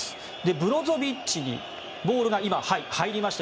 ブロゾビッチにボールが今入りました。